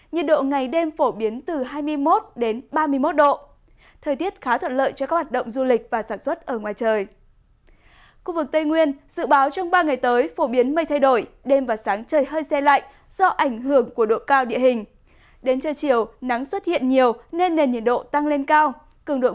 nhật độ ngày đêm phổ biến từ hai mươi ba đến ba mươi năm độ